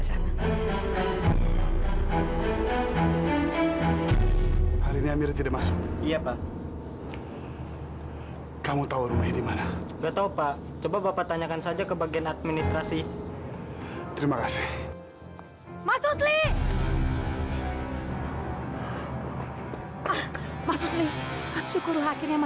apalagi sekarang kita punya zairah